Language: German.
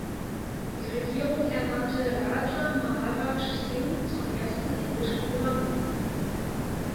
Die Regierung ernannte Raja Maharaj Singh zum ersten indischen Gouverneur.